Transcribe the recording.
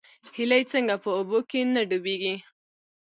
هیلۍ څنګه په اوبو کې نه ډوبیږي؟